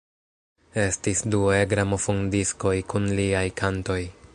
Estis du E-gramofondiskoj kun liaj kantoj.